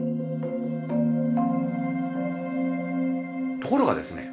ところがですね